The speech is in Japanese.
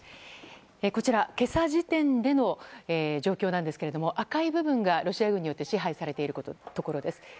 こちら、今朝時点での状況ですが赤い部分がロシア軍によって支配されているところです。